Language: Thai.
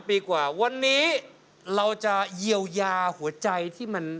ปีกว่าวันนี้เราจะเยียวยาหัวใจที่มัน